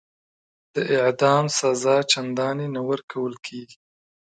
د اعدام سزا چنداني نه ورکول کیږي.